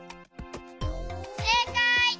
せいかい！